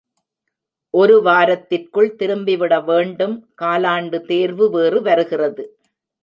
ஒரு வாரத்திற்குள் திரும்பிவிட வேண்டும் காலாண்டு தேர்வு வேறு வருகிறது.